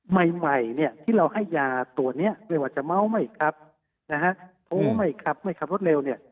๒๔ปีใหม่ที่เราให้ยาตัวนี้ไม่ว่าจะเมาส์ไม่คับโหไม่คับรถเร็วเนี่ย